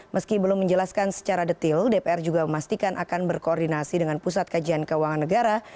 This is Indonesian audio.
meski belum menjelaskan secara detil dpr juga memastikan akan berkoordinasi dengan pusat kajian keuangan negara